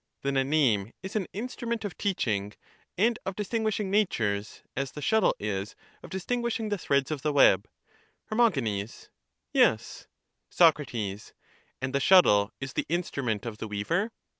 Then a name is an instrument of teaching and of 388 TJie analogy of other arts. 329 distinguishing natures, as the shuttle is of distinguishing the threads of the web. Her. Yes. Soc. And the shuttle is the instrument of the weaver?